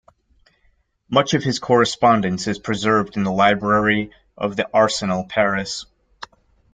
Much of his correspondence is preserved in the library of the Arsenal, Paris.